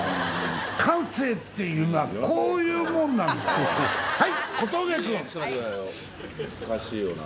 感性っていうのは、こういうもんなんだよ。